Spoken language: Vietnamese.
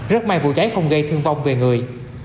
rất may vụ cháy không gây thương vong về người